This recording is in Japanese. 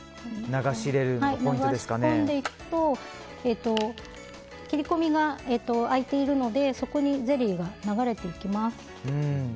流し込んでいくと切り込みが開いているのでそこにゼリーが流れていきます。